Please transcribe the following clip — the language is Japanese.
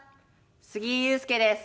杉井勇介です。